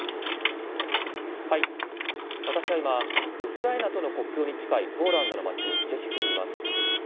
私は今、ウクライナとの国境に近いポーランドの町、ジェシュフにいます。